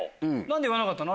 何で言わなかったの？